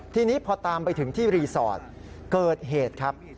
ทีนี้พอตามไปถึงที่รีสอร์ทเกิดเหตุครับ